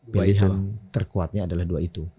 pilihan terkuatnya adalah dua itu